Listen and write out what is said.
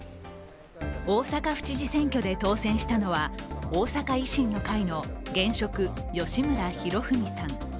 大阪府知事選挙で当選したのは大阪維新の会の現職吉村洋文さん。